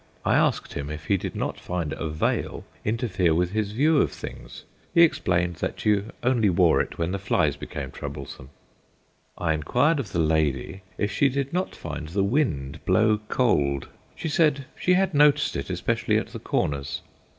I asked him if he did not find a veil interfere with his view of things; he explained that you only wore it when the flies became troublesome. I enquired of the lady if she did not find the wind blow cold; she said she had noticed it, especially at the corners.